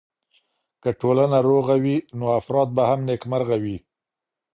که ټولنه روغه وي نو افراد به هم نېکمرغه وي.